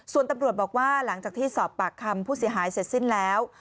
ส่วนตำรวจบอกว่าหลังจากที่สอบปากคำผู้เสียหายเสร็จสิ้นแล้ว